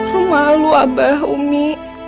rum malu aba umi